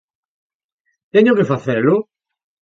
Teño que facelo?